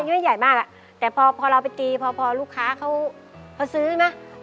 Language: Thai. ยังไงมากแต่พอพอเราไปตีพอลูกค้าเขาข้อซื้อดิมั้ย